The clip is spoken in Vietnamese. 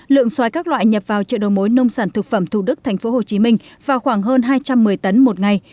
lượng xoài các loại nhập vào chợ đầu mối nông sản thực phẩm thủ đức tp hcm vào khoảng hơn hai trăm một mươi tấn một ngày